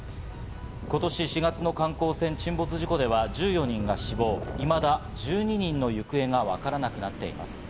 今年４月の観光船沈没事故では１４人が死亡、いまだ１２人の行方がわからなくなっています。